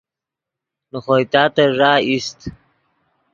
نے خوئے تاتن ݱا ایست